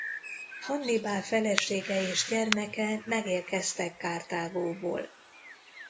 Hannibál felesége és gyermeke megérkeztek Karthágóból.